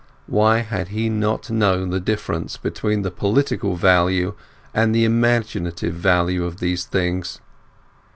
Why had he not known the difference between the political value and the imaginative value of these things?